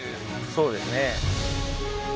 そうですね。